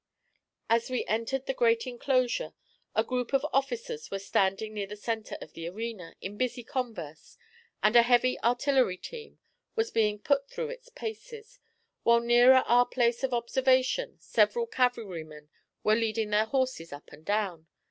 As we entered the great inclosure, a group of officers were standing near the centre of the arena, in busy converse, and a heavy artillery team was being put through its paces, while nearer our place of observation several cavalrymen were leading their horses up and down.